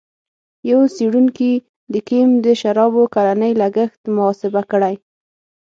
یوه څېړونکي د کیم د شرابو کلنی لګښت محاسبه کړی.